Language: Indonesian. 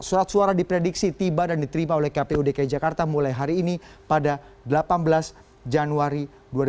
surat suara diprediksi tiba dan diterima oleh kpu dki jakarta mulai hari ini pada delapan belas januari dua ribu delapan belas